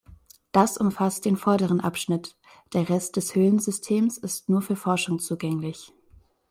Das umfasst den vorderen Abschnitt, der Rest des Höhlensystems ist nur für Forschung zugänglich.